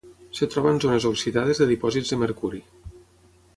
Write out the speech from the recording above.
Es troba en zones oxidades de dipòsits de mercuri.